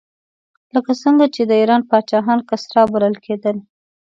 لکه څنګه چې د ایران پاچاهان کسرا بلل کېدل.